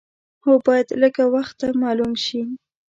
هو باید لږ وخته معلوم شي.